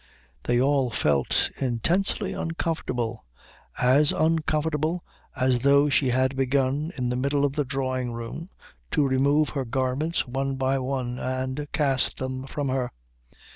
They all felt intensely uncomfortable; as uncomfortable as though she had begun, in the middle of the drawing room, to remove her garments one by one and cast them from her.